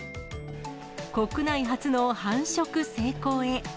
国内初の繁殖成功へ。